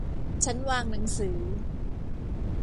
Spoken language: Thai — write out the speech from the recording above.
ชั้นวางหนังสือ